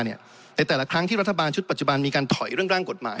ในแต่ละครั้งที่รัฐบาลชุดปัจจุบันมีการถอยเรื่องร่างกฎหมาย